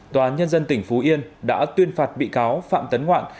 tòa nhân dân tỉnh phú yên đã tuyên phạt bị cáo phạm tấn ngoạn